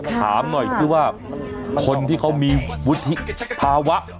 ถามหน่อยสิว่าคนที่เขามีวุฒิภาวะ